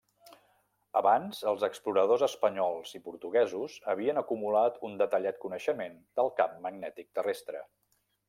Abans, els exploradors espanyols i portuguesos, havien acumulat un detallat coneixement del camp magnètic terrestre.